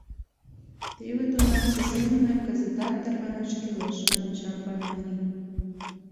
— Теве тунамсе семынак кызытат тарванаш кӱлеш, — манеш Арбан марий.